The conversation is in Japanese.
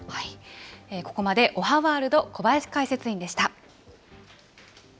ここまでおはワールド、小林解説委員でした。